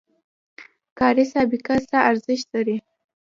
کاري سابقه څه ارزښت لري؟